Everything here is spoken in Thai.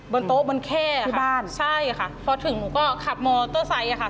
บนโต๊ะบนแค่ที่บ้านใช่ค่ะพอถึงหนูก็ขับมอเตอร์ไซค์อะค่ะ